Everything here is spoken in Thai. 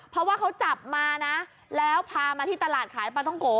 เพราะว่าเขาจับมานะแล้วพามาที่ตลาดขายปลาท้องโก